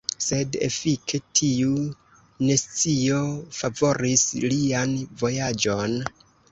Sed efike tiu nescio favoris lian vojaĝon.